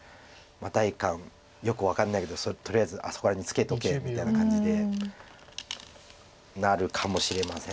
第一感よく分かんないけどとりあえずあそこら辺にツケとけみたいな感じでなるかもしれませんこれは。